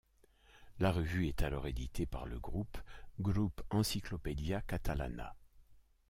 La revue est alors éditée par le groupe Grup Enciclopèdia Catalana.